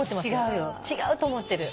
違うと思ってる。